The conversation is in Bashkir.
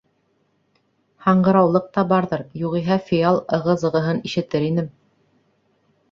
— Һаңғыраулыҡ та барҙыр, юғиһә фиал ығы-зығыһын ишетер инем.